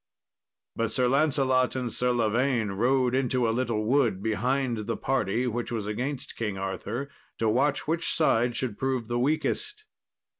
But Sir Lancelot and Sir Lavaine rode into a little wood behind the party which was against King Arthur, to watch which side should prove the weakest.